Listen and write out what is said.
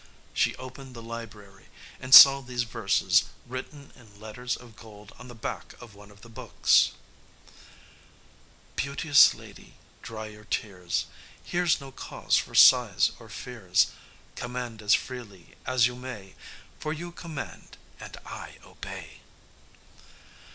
She opened the library, and saw these verses written in letters of gold on the back of one of the books: "Beauteous lady, dry your tears, Here's no cause for sighs or fears. Command as freely as you may, For you command and I obey."